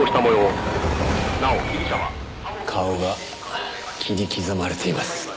顔が切り刻まれています。